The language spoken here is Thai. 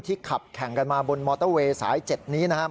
ขับแข่งกันมาบนมอเตอร์เวย์สาย๗นี้นะครับ